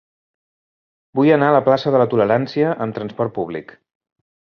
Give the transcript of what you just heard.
Vull anar a la plaça de la Tolerància amb trasport públic.